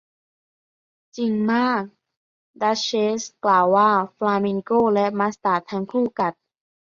'จริงมาก' ดัชเชสกล่าวว่า :'ฟลามิงโกและมัสตาร์ดทั้งคู่กัด'